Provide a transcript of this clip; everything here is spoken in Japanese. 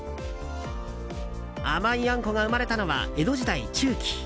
甘いあんこが生まれたのは江戸時代中期。